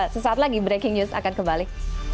se saat lagi breaking news akan kembali